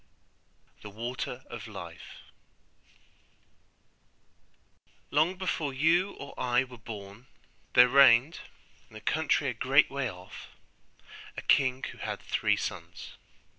THE WATER OF LIFE Long before you or I were born, there reigned, in a country a great way off, a king who had three sons.